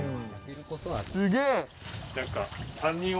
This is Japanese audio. すげえ！